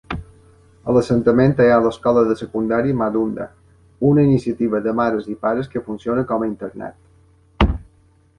A l'assentament hi ha l'escola de secundària Madunda, una iniciativa de mares i pares que funciona com a internat.